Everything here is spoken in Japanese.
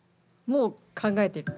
もう考えてる。